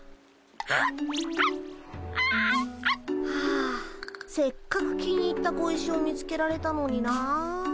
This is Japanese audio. あせっかく気に入った小石を見つけられたのにな。